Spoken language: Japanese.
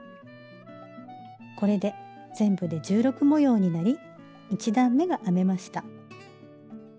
これで全部で１６模様になり１段めが編めました。